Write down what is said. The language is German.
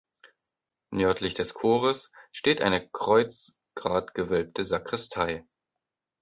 Nördlich des Chores steht die kreuzgratgewölbte Sakristei.